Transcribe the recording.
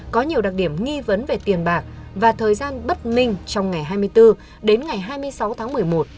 có nhiều đặc điểm nghi vấn về tiền bạc và thời gian bất minh trong ngày hai mươi bốn đến ngày hai mươi sáu tháng một mươi một